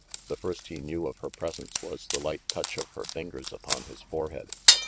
The first he knew of her presence was the light touch of her fingers upon his forehead.